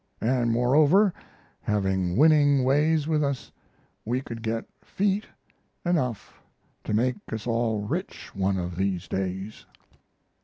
And moreover, having winning ways with us, we could get "feet" enough to make us all rich one of these days.